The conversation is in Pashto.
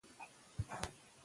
زده کوونکي ښايي تمرین زیات کړي.